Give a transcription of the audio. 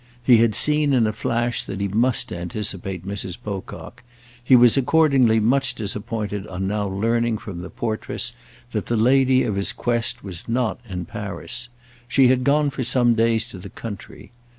He had seen in a flash that he must anticipate Mrs. Pocock. He was accordingly much disappointed on now learning from the portress that the lady of his quest was not in Paris. She had gone for some days to the country.